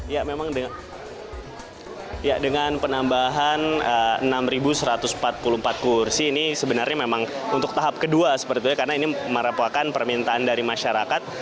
ya memang dengan penambahan enam satu ratus empat puluh empat kursi ini sebenarnya memang untuk tahap kedua sepertinya karena ini merepakan permintaan dari masyarakat